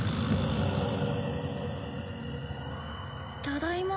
ただいま。